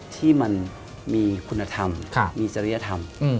ที่มันมีคุณธรรมมีจริยธรรม